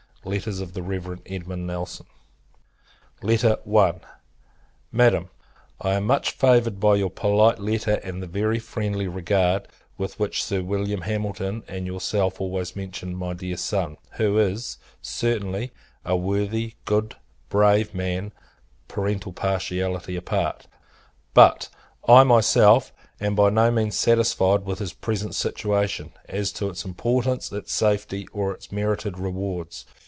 Letters OF THE REV. EDMUND NELSON, &c. I. Madam, I am much favoured by your polite letter, and the very friendly regard with which Sir William Hamilton and yourself always mention my dear son; who is, certainly, a worthy, good, brave man, parental partiality apart. But, I myself am by no means satisfied with his present situation; as to its importance, its safety, or its merited rewards.